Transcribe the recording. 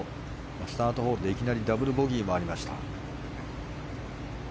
スタートホールでいきなりダブルボギーもありました。